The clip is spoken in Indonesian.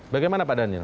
bagaimana pak daniel